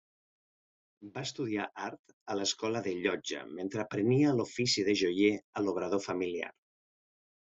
Va estudiar art a l'Escola de Llotja mentre aprenia l'ofici de joier a l'obrador familiar.